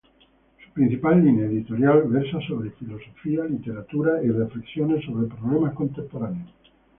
Su principal línea editorial versa sobre filosofía, literatura y reflexiones sobre problemas contemporáneos.